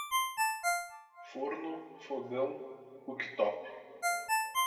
Forno, fogão, cooktop